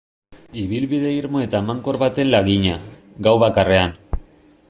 Ibilbide irmo eta emankor baten lagina, gau bakarrean.